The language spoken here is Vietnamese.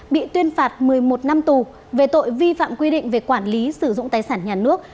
bị tuyên phạt một mươi một năm tù về tội vi phạm quy định về quản lý sử dụng tài sản nhà nước